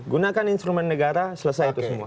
gunakan instrumen negara selesai itu semua